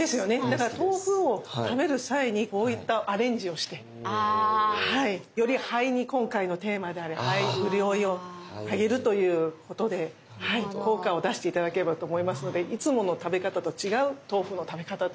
だから豆腐を食べる際にこういったアレンジをしてより肺に今回のテーマである肺にうるおいをあげるということで効果を出して頂ければと思いますのでいつもの食べ方と違う豆腐の食べ方ということで。